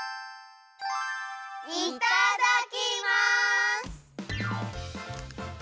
いただきます！